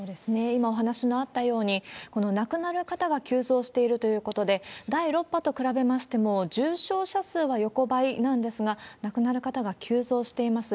今お話のあったように、亡くなる方が急増しているということで、第６波と比べましても、重症者数は横ばいなんですが、亡くなる方が急増しています。